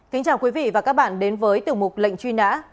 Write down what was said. kính chào quý vị và các bạn đến với tiểu mục lệnh truy nã